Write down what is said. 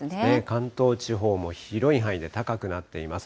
関東地方も広い範囲で高くなっています。